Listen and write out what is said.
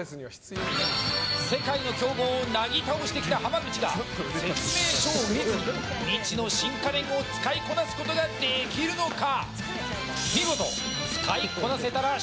世界の強豪をなぎ倒してきた浜口が説明書を見ずに、未知の新家電を使いこなすことができるのか。